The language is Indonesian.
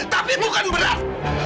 tapi bukan berat